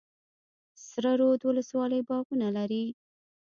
سره رود ولسوالۍ باغونه لري؟